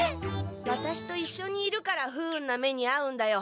ワタシといっしょにいるから不運な目にあうんだよ。